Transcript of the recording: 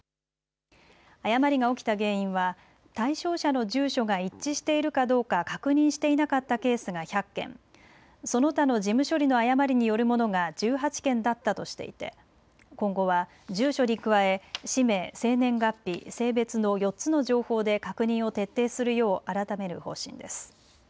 誤りが起きた原因は対象者の住所が一致しているかどうか確認していなかったケースが１００件、その他の事務処理の誤りによるものが１８件だったとしていて今後は住所に加え氏名、生年月日、性別の４つの情報で確認を徹底するよう改める方針です。